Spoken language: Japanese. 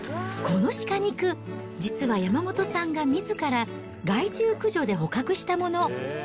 この鹿肉、実は山本さんがみずから、害獣駆除で捕獲したもの。